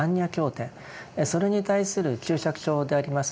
それに対する注釈書であります